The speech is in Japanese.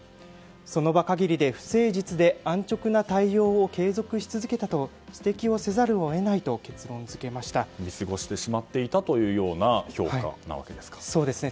その場限りで不誠実で安直な対応を継続し続けたと指摘せざるを得ないと見過ごしてしまっていたという評価なわけですか。